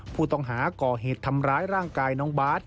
ผู้ต้องหาก่อเหตุทำร้ายร่างกายน้องบาท